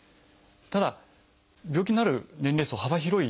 ただ病気になる年齢層幅広いです。